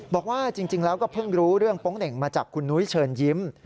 บอกว่าจริงแล้วก็เพิ่งรู้เรื่องโป๊งเหน่งมาจากคุณนุ้ยเชิญยิ้ม